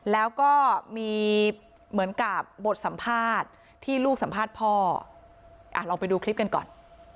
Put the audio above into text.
แล้วก็มีเหมือนกับบทสัมภาษณ์ที่ลูกสัมภาษณ์พ่อลองไปดูคลิปกันก่อน